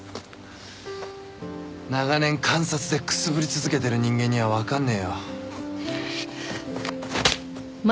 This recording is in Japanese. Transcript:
長年監察でくすぶり続けてる人間にはわかんねえよ。